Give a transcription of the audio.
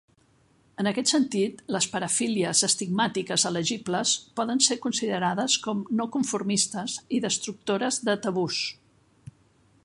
En aquest sentit, les parafílies estigmàtiques-elegibles poden ser considerades com "no conformistes" i "destructores de tabús".